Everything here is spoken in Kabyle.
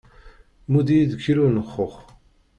Mudd-iyi-d kilu n lxux.